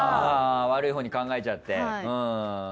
悪いほうに考えちゃって。